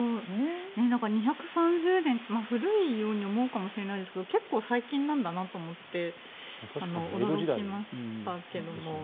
２３０年、古いように思うかもしれないですが結構、最近なんだなと思って驚きましたけども。